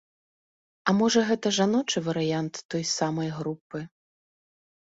А можа гэта жаночы варыянт той самай групы.